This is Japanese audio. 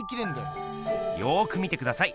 よく見てください。